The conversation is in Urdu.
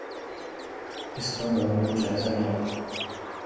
اس کا بغور جائزہ لیا۔